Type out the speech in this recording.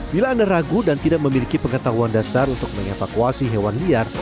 bila anda ragu dan tidak memiliki pengetahuan dasar untuk mengevakuasi hewan liar